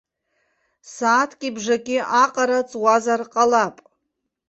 Сааҭки бжаки аҟара ҵуазар ҟалап.